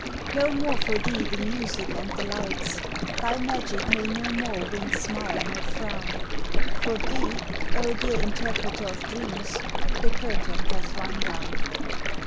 No more for thee the music and the lights, Thy magic may no more win smile nor frown; For thee, 0 dear interpreter of dreams, The curtain hath rung down.